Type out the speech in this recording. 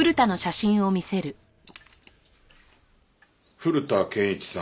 古田憲一さん